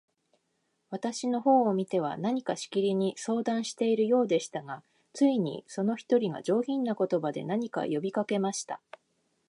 私の方を見ては、何かしきりに相談しているようでしたが、ついに、その一人が、上品な言葉で、何か呼びかけました。